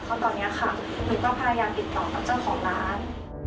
เพราะตอนนี้ต้องพยายามติดต่อต่อเจ้าของร้าน